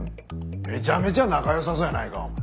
めちゃめちゃ仲良さそうやないかお前。